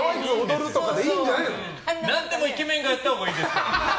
何でもイケメンがやったほうがいいですから。